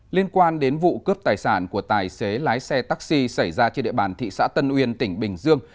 liên quan đến vụ cướp tài sản của tài xế lái xe taxi xảy ra trên địa bàn thị xã tân uyên tỉnh bình dương